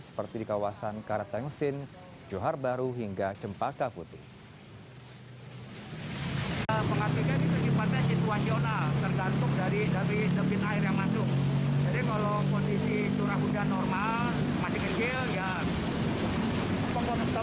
seperti di kawasan karatengsin johar baru hingga cempaka putih